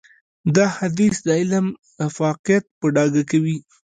دا حديث د علم افاقيت په ډاګه کوي.